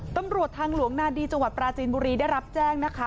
ตำรวจทางหลวงนาดีจังหวัดปราจีนบุรีได้รับแจ้งนะคะ